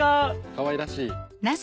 かわいらしい。